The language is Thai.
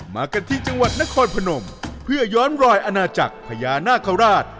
มากันที่จังหวัดนครพนมเพื่อย้อนรอยอาณาจักรพญานาคาราช